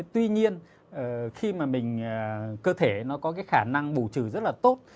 tuy nhiên khi mà mình cơ thể nó có cái khả năng bù trừ rất là tốt